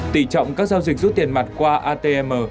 tỷ trọng các giao dịch rút tiền mặt qua atm